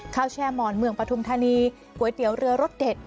แช่หมอนเมืองปฐุมธานีก๋วยเตี๋ยวเรือรสเด็ด